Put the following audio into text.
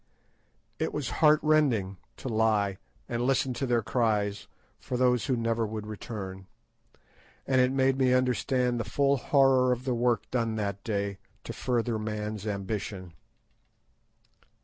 It was heart rending to lie and listen to their cries for those who never would return; and it made me understand the full horror of the work done that day to further man's ambition.